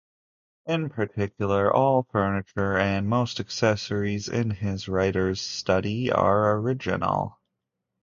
In particular, all furniture and most accessories in his writer's study are original.